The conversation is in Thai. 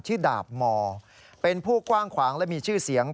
ดาบมอเป็นผู้กว้างขวางและมีชื่อเสียง